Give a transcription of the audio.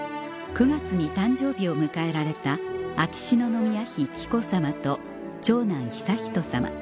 ９月に誕生日を迎えられた秋篠宮妃紀子さまと長男悠仁さま